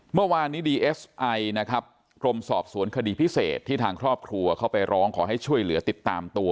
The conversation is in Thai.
เมื่อวานนี้ดีเอสไอนะครับกรมสอบสวนคดีพิเศษที่ทางครอบครัวเข้าไปร้องขอให้ช่วยเหลือติดตามตัว